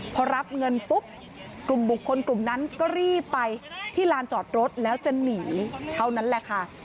พอรับเงินปุ๊บกลุ่มบุคคลกลุ่มนั้นก็รีบไปที่ลานจอดรถแล้วจะหนีเท่านั้นแหละค่ะ